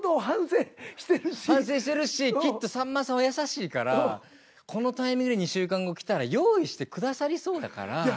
反省してるしきっとさんまさんは優しいからこのタイミングで２週間後来たら用意してくださりそうだから。